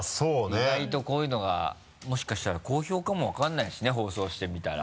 意外とこういうのがもしかしたら好評かも分からないしね放送してみたら。